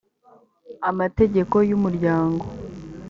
amategeko y’umuryango.